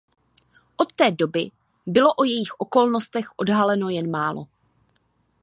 Od té doby bylo o jejích okolnostech odhaleno jen málo.